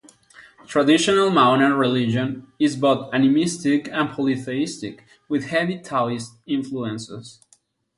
Traditional Maonan religion is both animistic and polytheistic, with heavy Taoist influences.